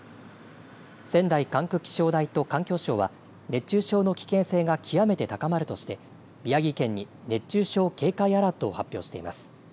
仙台管区気象台と環境省は熱中症の危険性が極めて高まるとして宮城県に熱中症警戒アラートを発表しています。